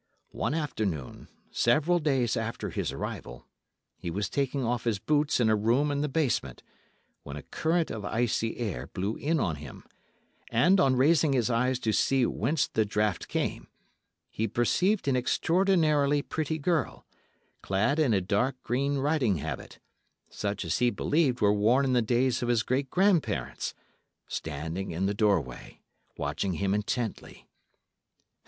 One afternoon, several days after his arrival, he was taking off his boots in a room in the basement, when a current of icy air blew in on him, and, on raising his eyes to see whence the draught came, he perceived an extraordinarily pretty girl, clad in a dark green riding habit, such as he believed were worn in the days of his great grand parents, standing in the doorway, watching him intently.